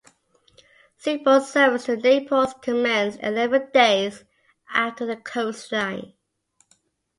Seaboard's service to Naples commenced eleven days after the Coast Line.